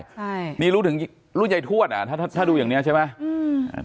ใช่นี่รู้ถึงรุ่นยายทวดอ่ะถ้าถ้าดูอย่างเนี้ยใช่ไหมอืม